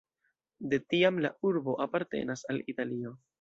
De tiam la urbo apartenas al Italio.